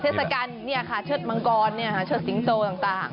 เทศกาลเชิดมังกรเชิดสิงโตต่าง